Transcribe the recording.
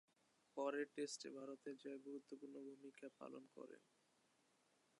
পরের টেস্টে ভারতের জয়ে গুরুত্বপূর্ণ ভূমিকা পালন করেন।